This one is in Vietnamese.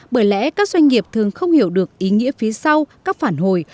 bởi lẽ các doanh nghiệp thường không hiểu được ý nghĩa phía sau các phản hồi